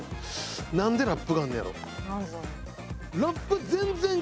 何でラップがあんのやろ？